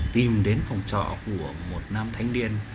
tìm đến phòng trọ của một nam thanh niên